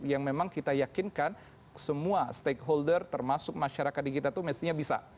yang memang kita yakinkan semua stakeholder termasuk masyarakat di kita itu mestinya bisa